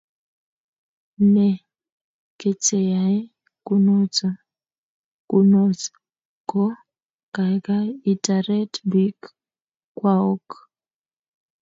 ne keteyae kunot ko kaikai itaret piik kwaok